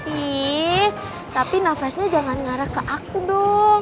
ih tapi nafasnya jangan ngarah ke aku dong